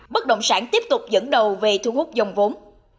bất động sản tiếp tục dẫn đầu về thu hút dòng vốn